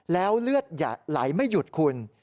แล้วเลือดไหลไม่หยุดคุณ